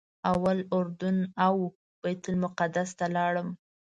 اول اردن او بیت المقدس ته لاړم.